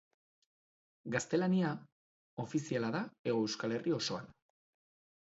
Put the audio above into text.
Gaztelania ofiziala da Hego Euskal Herri osoan.